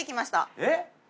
えっ？